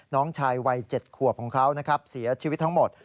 น้องชายวัย๗ขวบของเขานะครับเสียชีวิตทั้งหมด